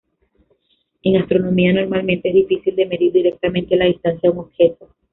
En astronomía, normalmente es difícil de medir directamente la distancia a un objeto.